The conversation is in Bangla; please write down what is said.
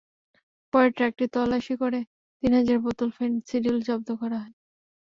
পরে ট্রাকটি তল্লাশি করে তিন হাজার বোতল ফেনসিডিল জব্দ করা হয়।